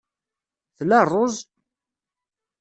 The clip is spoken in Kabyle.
Tla ṛṛuz?